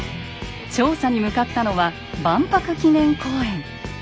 調査に向かったのは万博記念公園。